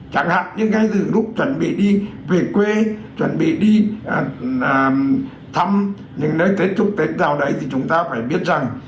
chẳng hạn những cái lúc chuẩn bị đi về quê chuẩn bị đi thăm những nơi tết chúc tết nào đấy thì chúng ta phải biết rằng